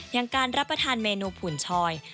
อย่างการรับประทานเมนูผุ่นชอย